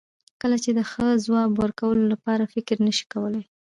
کله چې د ښه ځواب ورکولو لپاره فکر نشې کولای.